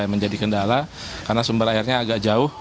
menjadi kendala karena sumber airnya agak jauh